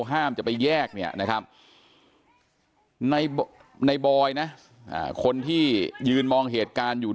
ห้ามจะไปแยกเนี่ยนะครับในบอยนะคนที่ยืนมองเหตุการณ์อยู่